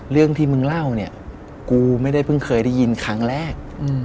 เรื่องที่มึงเล่าเนี่ยกูไม่ได้เพิ่งเคยได้ยินครั้งแรก